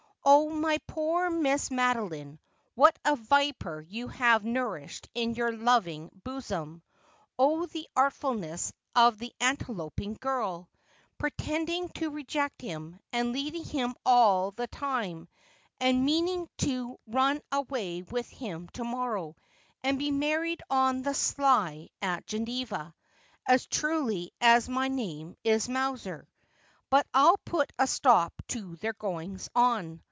Oh, my poor Miss Madeline, what a viper you have nourished in your loving bosom ! Oh, the artfulness of that anteloping girl ! pretending to reject him, and leading him on all the time, and meaning to run away with him to morrow, and be married on the sly at Geneva, as truly as my name is Mowser. But I'll put a stop to their goings on.